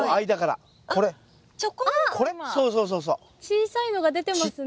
小さいのが出てますね。